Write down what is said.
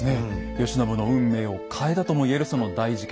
慶喜の運命を変えたとも言えるその大事件。